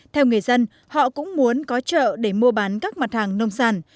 theo người dân họ cũng muốn có chợ để mua bán các mặt hàng nông sản